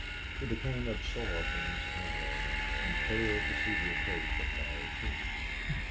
He became absorbed in his task and failed to see the approach of Larry King.